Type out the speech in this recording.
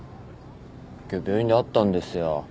今日病院で会ったんですよ。